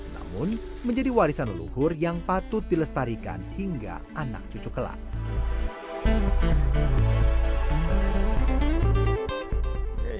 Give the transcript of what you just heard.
namun menjadi warisan leluhur yang patut dilestarikan hingga anak cucu kelak